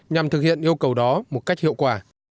nhằm thực hiện yêu cầu đó một cách hiệu quả